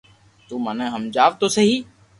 تو مني ھمجاو تو سھي